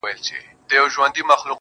د شپې له تورې پنجابيه سره دال وهي_